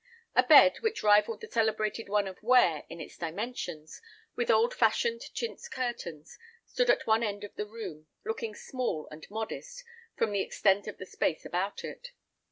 A bed, which rivalled the celebrated one of Ware in its dimensions, with old fashioned chintz curtains, stood at one side of the room, looking small and modest, from the extent of the space about it.